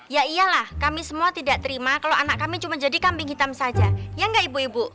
ya iyalah kami semua tidak terima kalau anak kami cuma jadi kambing hitam saja ya nggak ibu ibu